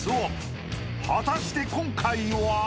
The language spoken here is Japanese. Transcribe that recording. ［果たして今回は？］